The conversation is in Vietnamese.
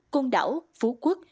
côn đảo phú quốc